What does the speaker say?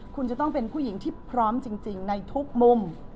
คุณจะต้องเป็นผู้หญิงที่พร้อมจริงในทุกมุม